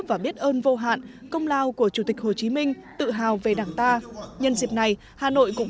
và biết ơn vô hạn công lao của chủ tịch hồ chí minh tự hào về đảng ta nhân dịp này hà nội cũng